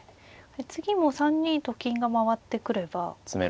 次も３二と金が回ってくれば。